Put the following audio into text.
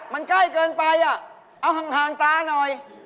มันใกล้เกินไปอ่ะเอาห่างตาหน่อย